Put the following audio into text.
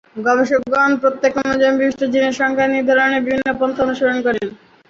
গবেষকগণ প্রত্যেক ক্রোমোজোমে অবস্থিত জিনের সংখ্যা নির্ধারণে বিভিন্ন পন্থা অনুসরণ করে।